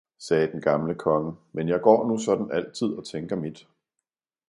sagde den gamle konge, men jeg går nu sådan altid og tænker mit!